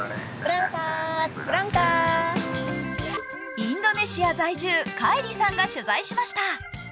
インドネシア在住カイリさんが取材しました。